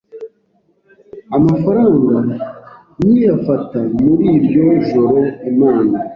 Amafaranga nkiyafata muri iryo joro Imana